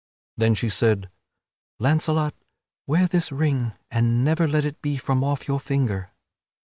Then she said: "Launcelot, wear this ring and never let it be from off your finger."